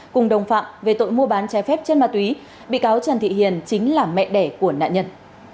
cùng đồng phạm về tội mua bán trái phép chân ma túy bị cáo trần thị hiền chính là mẹ đẻ của nạn nhân